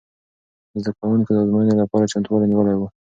زده کوونکو د ازموینې لپاره چمتووالی نیولی و.